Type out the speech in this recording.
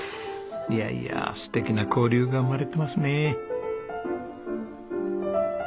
いやいや素敵な交流が生まれてますね。